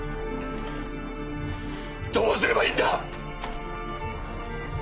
どうすればいいんだ！